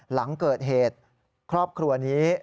หลังเกิดเหตุครอบครัวนี้